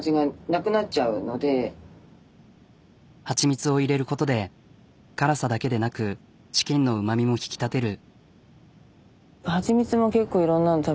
蜂蜜を入れることで辛さだけでなくチキンのうまみも引き立てる。